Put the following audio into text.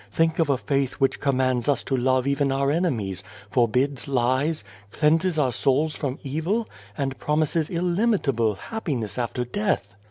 Think of a faith which commands us to love even our enemies, forliids lies, cleanses our souls from evil, and promises illimitable happiness after death."